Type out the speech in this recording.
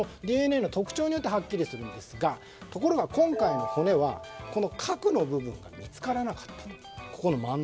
ＤＮＡの特徴によってはっきりするんですがところが今回の骨は、核の部分が見つからなかった。